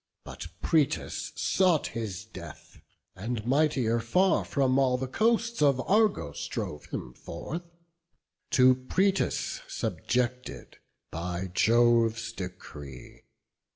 But Proetus sought his death; and, mightier far, From all the coasts of Argos drove him forth, To Proetus subjected by Jove's decree.